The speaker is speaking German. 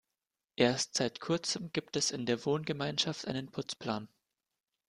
Erst seit Kurzem gibt es in der Wohngemeinschaft einen Putzplan.